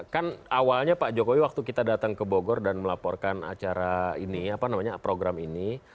kan awalnya pak jokowi waktu kita datang ke bogor dan melaporkan acara ini apa namanya program ini